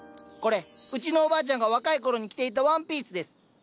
これうちのおばあちゃんが若い頃に着ていたワンピースです。